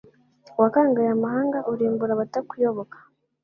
Wakangaye amahanga urimbura abatakuyoboka